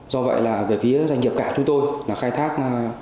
do vậy là về phía doanh nghiệp cả chúng tôi là khai thác